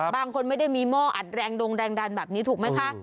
บางคนไม่ได้มีหม้ออัดแรงดงแรงดันแบบนี้ถูกไหมคะ